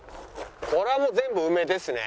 これはもう全部梅ですね。